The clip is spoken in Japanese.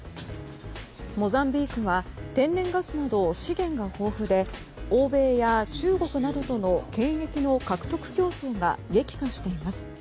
モザンビークは天然ガスなど資源が豊富で欧米や中国などとの、権益の獲得競争が激化しています。